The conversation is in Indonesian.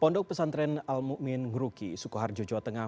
pondok pesantren al mu'min nguruki sukuharjo jawa tengah